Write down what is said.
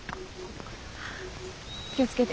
気を付けて。